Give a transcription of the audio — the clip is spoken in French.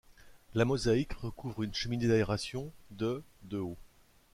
La mosaïque recouvre une cheminée d'aération de de haut.